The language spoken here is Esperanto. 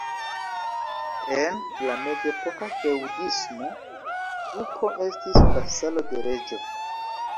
En la mezepoka feŭdismo, duko estis vasalo de reĝo.